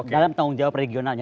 dalam tanggung jawab regionalnya